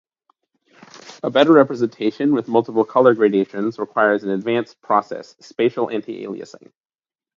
A better representation with multiple color gradations requires an advanced process, spatial anti-aliasing.